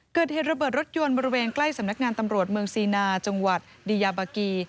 เกิดเหตุระเบิดรถยนต์บริเวณใกล้สำนักงานตำรวจเมืองซีนาจังหวัดดียาบากี